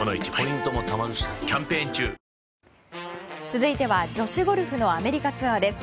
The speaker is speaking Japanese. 続いては女子ゴルフのアメリカツアーです。